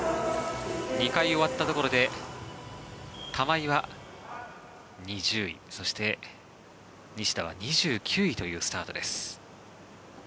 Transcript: ２回終わったところで玉井は２０位そして、西田は２９位というスタートです。